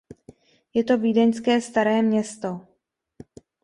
Je to vídeňské Staré Město.